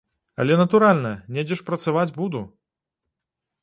Але, натуральна, недзе ж працаваць буду.